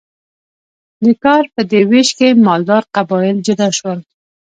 د کار په دې ویش کې مالدار قبایل جلا شول.